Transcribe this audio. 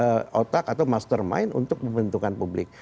ada otak atau mastermind untuk pembentukan publik